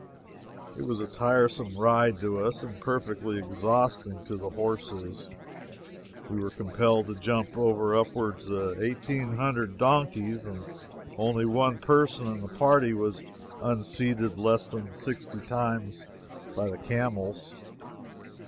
It was a tiresome ride to us, and perfectly exhausting to the horses. We were compelled to jump over upwards of eighteen hundred donkeys, and only one person in the party was unseated less than sixty times by the camels.